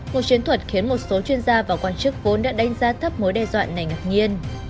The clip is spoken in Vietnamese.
cuộc chiến thuật khiến một số chuyên gia và quan chức vốn đã đánh giá thấp mối đe dọa này ngạc nhiên